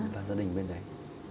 và gia đình bên đấy